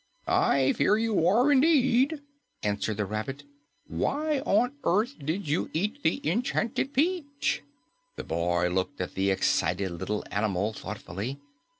"I fear you are, indeed," answered the Rabbit. "Why on earth did you eat the enchanted peach?" The boy looked at the excited little animal thoughtfully.